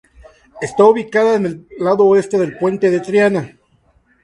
Está ubicada en el lado oeste del Puente de Triana.